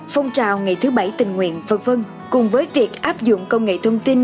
phong trào ngày thứ bảy tình nguyện v v cùng với việc áp dụng công nghệ thông tin